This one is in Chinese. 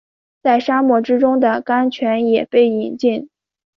在沙漠之中的甘泉也被饮尽